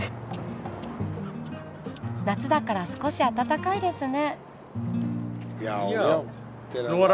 夏だから少し暖かいですね。